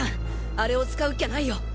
アレを使うっきゃないよ！